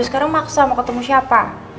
sekarang maksa mau ketemu siapa